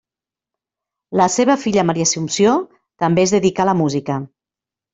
La seva filla Maria Assumpció també es dedicà a la música.